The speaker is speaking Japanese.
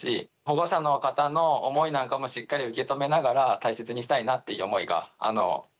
保護者の方の思いなんかもしっかり受け止めながら大切にしたいなっていう思いが強まりました。